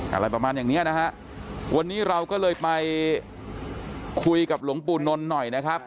อะไรประมาณอย่างเนี้ยนะฮะวันนี้เราก็เลยไปคุยกับหลวงปู่นนท์หน่อยนะครับ